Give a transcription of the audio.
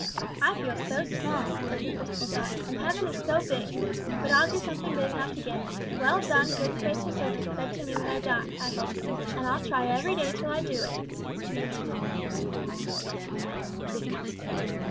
"I feel so small," was his wistful thought, "and heaven is so big; but I'll do something big enough to get, 'Well done good and faithful servant,' said to me when I die, I hope. And I'll try every day till I do it!"